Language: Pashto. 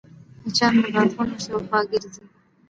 مچان د غاښونو شاوخوا ګرځي